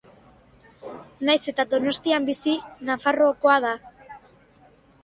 Nahiz eta Donostian bizi, Nafarroakoa da.